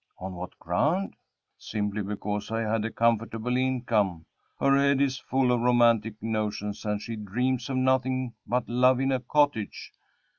"On what ground?" "Simply because I had a comfortable income. Her head is full of romantic notions, and she dreams of nothing but love in a cottage.